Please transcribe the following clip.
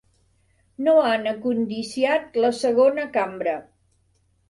No han acondiciat la segona cambra.